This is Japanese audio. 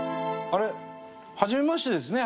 あれ？はじめましてですね